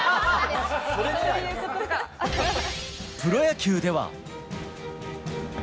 プロ野球では。